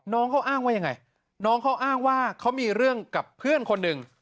น้องเขาอ้างว่ายังไงน้องเขาอ้างว่าเขามีเรื่องกับเพื่อนคนหนึ่ง